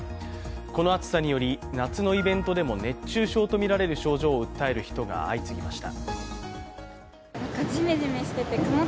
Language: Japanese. この暑さにより、夏のイベントでも熱中症とみられる症状を訴える人が相次ぎました。